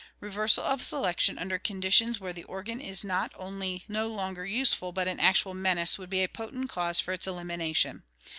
Reversal of selection under conditions where the organ is not only no longer useful but an actual menace would be a potent cause for its elimination.